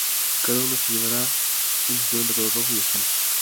Cada uno llevará un cinturón de color rojo y azul.